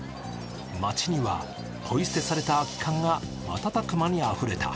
街にはポイ捨てされた空き缶が瞬く間にあふれた。